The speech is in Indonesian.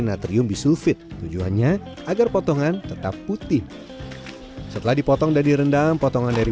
natrium bisulfit tujuannya agar potongan tetap putih setelah dipotong dan direndam potongan dari